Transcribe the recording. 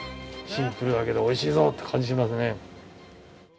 シンプルだけどおいしいぞって感じしますね。